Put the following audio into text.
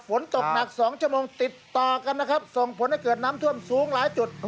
ฝนตกหนัก๒ชั่วโมงติดต่อกันนะครับส่งผลให้เกิดน้ำท่วมสูงหลายจุด